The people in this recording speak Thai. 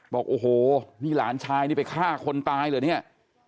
บอกโอ้โหนี่หลานชายนี่ไปฆ่าคนตายเหรอเนี่ย